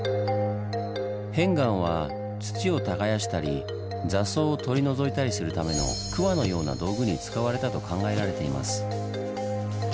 片岩は土を耕したり雑草を取り除いたりするためのくわのような道具に使われたと考えられています。